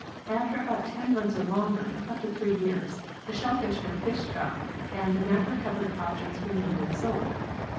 After about ten months or longer, up to three years, the shellfish were fished up and the nacre covered objects removed and sold.